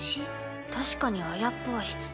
確かに絢っぽい。